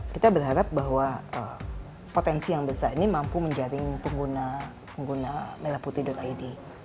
kita berharap bahwa potensi yang besar ini mampu menjaring pengguna merah putih id